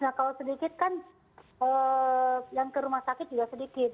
nah kalau sedikit kan yang ke rumah sakit juga sedikit